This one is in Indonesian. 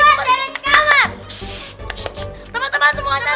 shhh shhh teman teman semua aja